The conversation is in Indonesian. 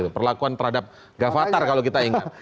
perlakuan terhadap gavatar kalau kita ingat